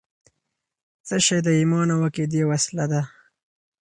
څه شی د ایمان او عقیدې وسله ده؟